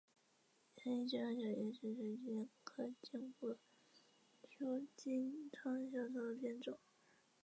狭叶金疮小草是唇形科筋骨草属金疮小草的变种。